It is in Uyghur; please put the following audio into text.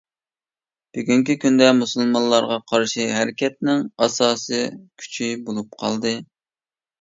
بۈگۈنكى كۈندە مۇسۇلمانلارغا قارشى ھەرىكەتنىڭ ئاساسىي كۈچى بولۇپ قالدى.